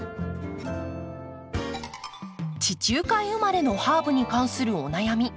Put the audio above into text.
地中海生まれのハーブに関するお悩み